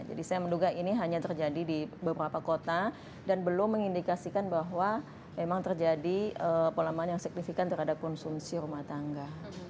jadi saya menduga ini hanya terjadi di beberapa kota dan belum mengindikasikan bahwa memang terjadi penurunan yang signifikan terhadap konsumsi rumah tangga